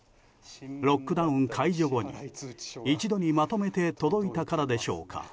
ロックダウン解除後に一度にまとめて届いたからでしょうか